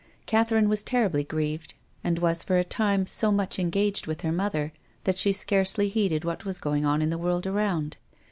Catherine was terribly grieved, and was for a time so much engaged with her mother that she scarcely heeded what was going on in the world around.